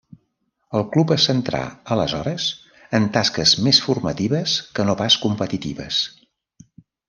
El club se centrà, aleshores, en tasques més formatives, que no pas competitives.